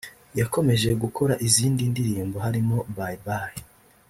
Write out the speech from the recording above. yakomeje gukora izindi ndirimbo harimo Bye Bye